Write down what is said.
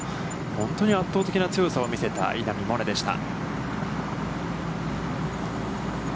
本当に圧倒的な強さを見せた、稲見萌寧でした。